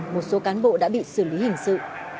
một số cán bộ đã bị xử lý hình sự